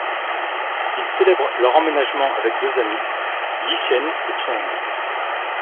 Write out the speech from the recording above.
Ils célèbrent leur emménagement avec deux amis, Yi-Chen et Cheng.